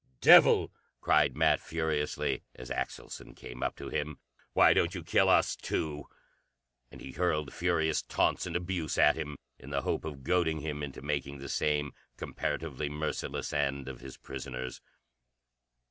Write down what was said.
"Devil!" cried Nat furiously, as Axelson came up to him. "Why don't you kill us, too?" And he hurled furious taunts and abuse at him, in the hope of goading him into making the same comparatively merciless end of his prisoners.